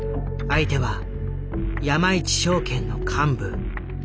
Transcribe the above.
相手は山一証券の幹部。